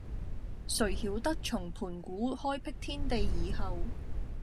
誰曉得從盤古開闢天地以後，